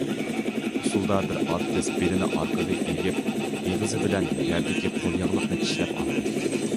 ئۇسسۇلدا، بىر ئارتىس بېلىنى ئارقىغا ئېگىپ، ئېغىزى بىلەن يەردىكى قول ياغلىقنى چىشلەپ ئالدى.